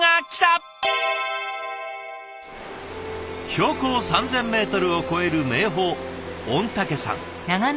標高３，０００ｍを超える名峰御嶽山。